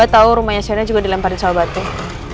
tau rumahnya sienna juga dilemparin sobat tuh